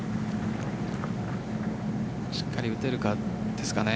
しっかり打てるかですかね。